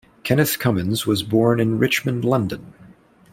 Kenneth Cummins was born in Richmond, London.